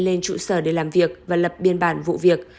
lên trụ sở để làm việc và lập biên bản vụ việc